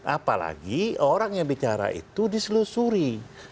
apalagi orang yang bicara itu diselusuri